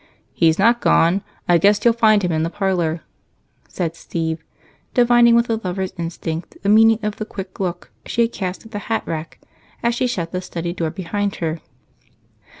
"He's not gone I guess you'll find him in the parlor," said Steve, divining with a lover's instinct the meaning of the quick look she had cast at the hat rack as she shut the study door behind her.